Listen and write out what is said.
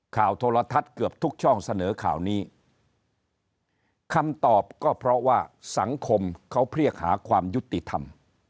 โทรทัศน์เกือบทุกช่องเสนอข่าวนี้คำตอบก็เพราะว่าสังคมเขาเรียกหาความยุติธรรม